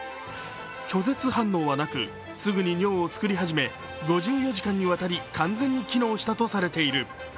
拒絶反応はなく、すぐに尿を作り始め５４時間にわたり完全に機能したとされている。